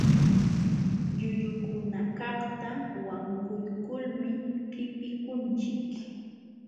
Llullukunakaqta wankuykulmi qipikunchik.